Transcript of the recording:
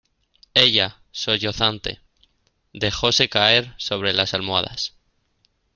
ella, sollozante , dejóse caer sobre las almohadas: